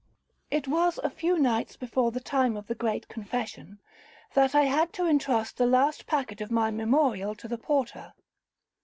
'It was a few nights before the time of the great confession, that I had to entrust the last packet of my memorial to the porter.